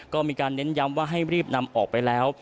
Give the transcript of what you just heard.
ก็มีการเน้นย้ำว่าให้รีบนำออกไปแล้ว